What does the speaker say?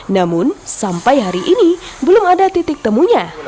namun sampai hari ini belum ada titik temunya